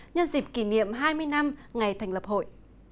nhân dịp kỷ niệm hai mươi năm ngày thành lập hội